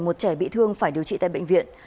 một trẻ bị thương phải điều trị tại bệnh viện